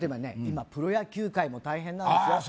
今プロ野球界も大変なんですよああ